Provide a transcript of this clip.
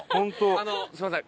あのすいません。